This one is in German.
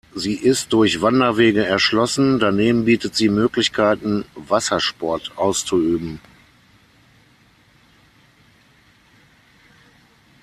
Sie ist durch Wanderwege erschlossen, daneben bietet sie Möglichkeiten, Wassersport auszuüben.